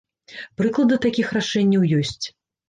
Прыклады такіх рашэнняў ёсць.